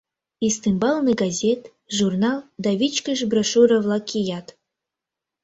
Ӱстембалне газет, журнал да вичкыж брошюра-влак кият.